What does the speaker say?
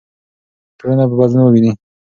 ټولنه به بدلون وویني.